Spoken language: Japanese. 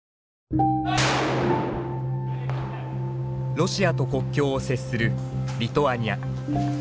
ロシアと国境を接するリトアニア。